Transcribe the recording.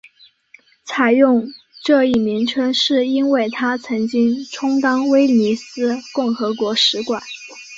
采用这一名称是因为它曾经充当威尼斯共和国使馆。